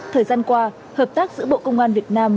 thời gian qua hợp tác giữa bộ công an việt nam